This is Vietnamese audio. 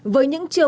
với những triều hợp